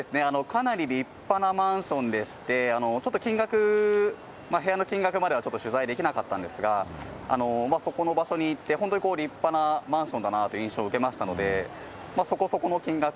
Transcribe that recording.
かなり立派なマンションでして、ちょっと金額、部屋の金額まではちょっと取材できなかったんですが、その場所に行って、本当に立派なマンションだなという印象を受けましたので、そこそこの金額、